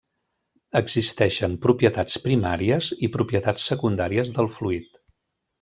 Existeixen propietats primàries i propietats secundàries del fluid.